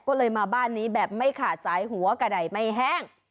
ก็เลยมาบ้านนี้แบบไม่ขาดสายหัวกระดายไม่แห้ง